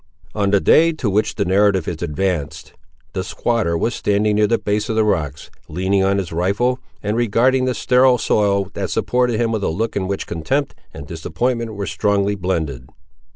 On the day to which the narrative is advanced, the squatter was standing near the base of the rocks, leaning on his rifle, and regarding the sterile soil that supported him with a look in which contempt and disappointment were strongly blended.